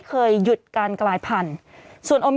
สิบเก้าชั่วโมงไปสิบเก้าชั่วโมงไป